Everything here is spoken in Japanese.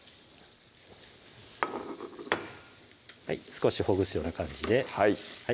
少しほぐすような感じではい